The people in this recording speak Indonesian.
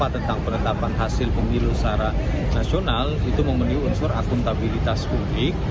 tentang penetapan hasil pemilu secara nasional itu memenuhi unsur akuntabilitas publik